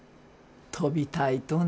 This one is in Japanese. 飛びたいとね。